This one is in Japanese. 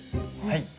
はい。